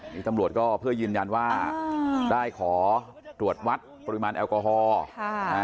นี่ตำรวจก็เพื่อยืนยันว่าได้ขอตรวจวัดปริมาณแอลกอฮอล์